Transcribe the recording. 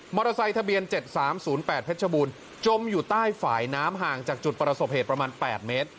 เตอร์ไซค์ทะเบียน๗๓๐๘เพชรบูรณ์จมอยู่ใต้ฝ่ายน้ำห่างจากจุดประสบเหตุประมาณ๘เมตร